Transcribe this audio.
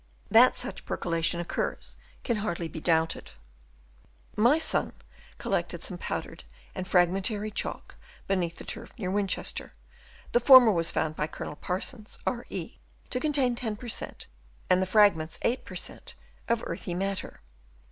That such percolation occurs can hardly be doubted. My son collected some powdered and fragmentary chalk beneath the turf near Winchester ; the former was found by Colonel Parsons, R.E., to contain 10 per cent., and the fragments 8 per cent, of earthy matter.